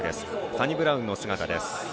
サニブラウンの姿です。